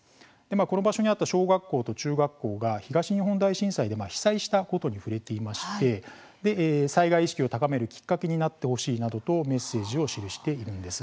この場所にあった小学校と中学校が東日本大震災で被災したことに触れていまして災害意識を高めるきっかけになってほしいなどとメッセージを記しているんです。